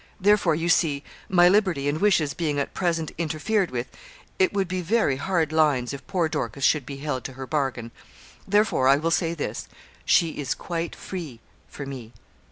Therefore, you see, my liberty and wishes being at present interfered with, it would be very hard lines if poor Dorcas should be held to her bargain. Therefore, I will say this she is quite free for me.